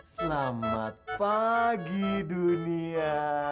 selamat pagi dunia